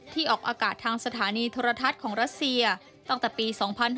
ออกอากาศทางสถานีโทรทัศน์ของรัสเซียตั้งแต่ปี๒๕๕๙